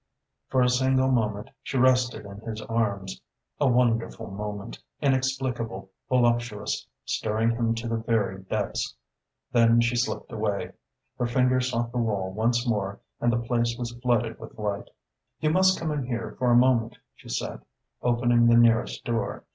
For a single moment she rested in his arms, a wonderful moment, inexplicable, voluptuous, stirring him to the very depths. Then she slipped away. Her fingers sought the wall once more and the place was flooded with light. "You must come in here for a moment," she said, opening the nearest door.